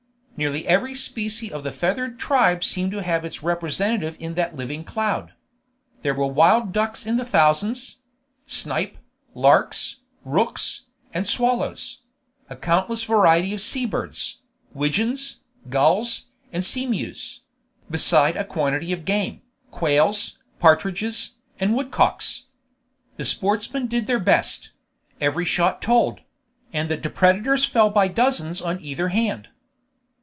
Nearly every species of the feathered tribe seemed to have its representative in that living cloud. There were wild ducks in thousands; snipe, larks, rooks, and swallows; a countless variety of sea birds widgeons, gulls, and seamews; beside a quantity of game quails, partridges, and woodcocks. The sportsmen did their best; every shot told; and the depredators fell by dozens on either hand.